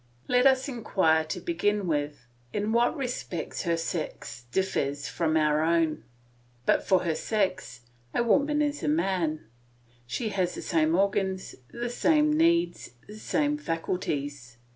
Let us inquire to begin with in what respects her sex differs from our own. But for her sex, a woman is a man; she has the same organs, the same needs, the same faculties.